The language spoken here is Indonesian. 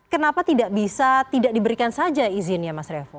kenapa tidak bisa tidak diberikan saja izinnya mas revo